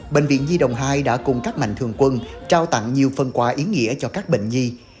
bệnh viện di đồng hai đã cùng các mạnh thường quân trao tặng nhiều phân quà ý nghĩa cho các bệnh nhi